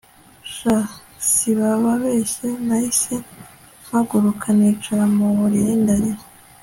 sha sibababeshya nahise mpaguruka nicara mu buriri ndarira